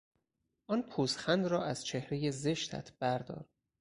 آن پوزخند را از چهرهی زشتت بردار!